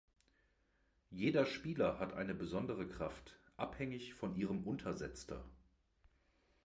Jeder Spieler hat eine besondere Kraft, abhängig von ihrem Untersetzter.